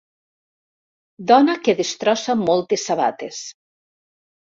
Dona que destrossa moltes sabates.